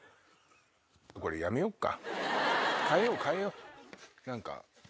これやめよっか。